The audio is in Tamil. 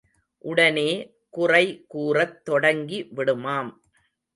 உடனே குறை கூறத் தொடங்கி விடுமாம்.